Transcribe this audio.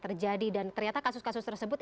terjadi dan ternyata kasus kasus tersebut